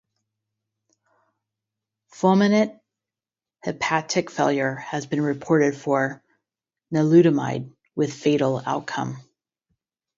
Fulminant hepatic failure has been reported for nilutamide, with fatal outcome.